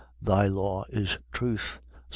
Thy law is truth. Psa.